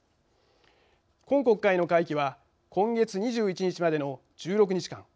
今国会の会期は今月２１日までの１６日間。